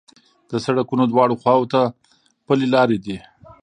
د سړکونو دواړو خواوو ته پلي لارې دي.